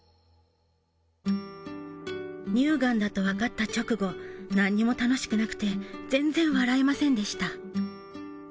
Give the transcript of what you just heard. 乳がんだとわかった直後、何も楽しくなくて全然笑えませんでした。